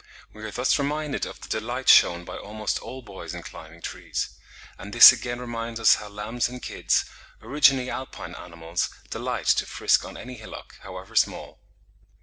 We are thus reminded of the delight shewn by almost all boys in climbing trees; and this again reminds us how lambs and kids, originally alpine animals, delight to frisk on any hillock, however small.